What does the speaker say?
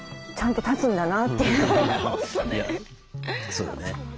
そうだね。